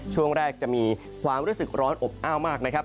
ช่วงแรกจะมีความรู้สึกร้อนอบอ้าวมากนะครับ